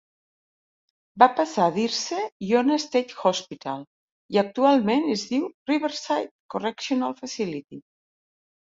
Va passar a dir-se Ionia State Hospital i actualment es diu Riverside Correctional Facility.